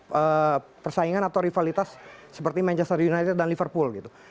untuk persaingan atau rivalitas seperti manchester united dan liverpool gitu